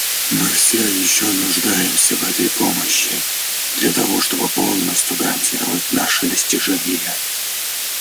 Мы все еще нуждаемся в этой помощи, для того чтобы полностью гарантировать наши достижения.